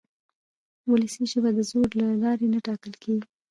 وولسي ژبه د زور له لارې نه ټاکل کېږي.